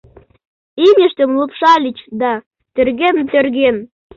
Имньыштым лупшальыч да, тӧрген-тӧрген...